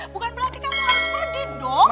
bukan berarti kamu harus pergi dong